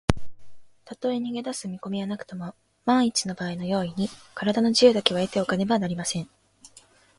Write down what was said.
たとえ逃げだす見こみはなくとも、まんいちのばあいの用意に、からだの自由だけは得ておかねばなりません。